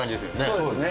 そうですね。